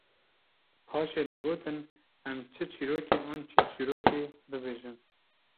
paşê digotin: Em çi çîrokê an çîrçîrokê bibêjin